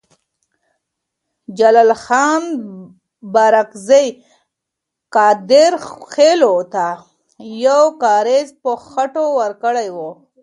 جلال خان بارکزی قادرخیلو ته یو کارېز په خټه ورکړی وو.